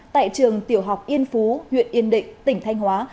tại trường tiểu học yên phú huyện yên định tỉnh thanh hóa